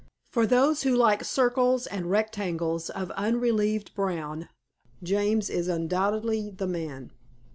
For those who like circles and rectangles of unrelieved brown, James is undoubtedly the man.